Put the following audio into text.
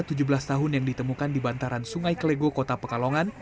tujuh belas tahun yang ditemukan di bantaran sungai kelego kota pekalongan